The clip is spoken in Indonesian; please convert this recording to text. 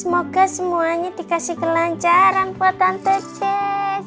semoga semuanya dikasih kelanjaran buat tante jess